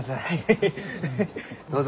どうぞ。